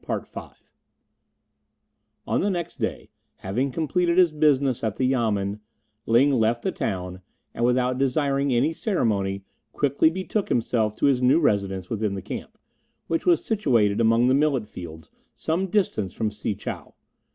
CHAPTER V On the next day, having completed his business at the Yamen, Ling left the town, and without desiring any ceremony quietly betook himself to his new residence within the camp, which was situated among the millet fields some distance from Si chow.